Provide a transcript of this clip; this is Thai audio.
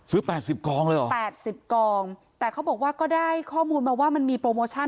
แปดสิบกองเลยเหรอ๘๐กองแต่เขาบอกว่าก็ได้ข้อมูลมาว่ามันมีโปรโมชั่น